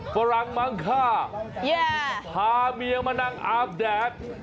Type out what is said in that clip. ฝรั่งมั้งฆ่าพาเมียมานั่งอาบแดด